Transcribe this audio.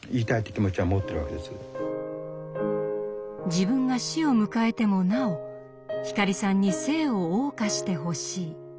自分が死を迎えてもなお光さんに生を謳歌してほしい。